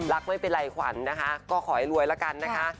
ไม่เป็นไรขวัญนะคะก็ขอให้รวยละกันนะคะ